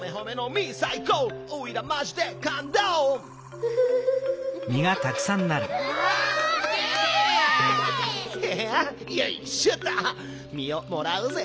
みをもらうぜ。